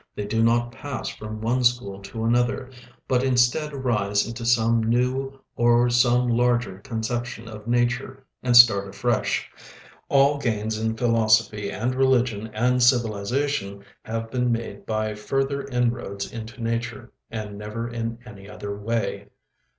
They do not pass from one school to another, but instead rise into some new or some larger conception of nature and start afresh. All gains in philosophy and religion and civilization have been made by further inroads into nature, and never in any other way. Dr.